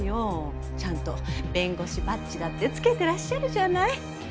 ちゃんと弁護士バッジだってつけてらっしゃるじゃない。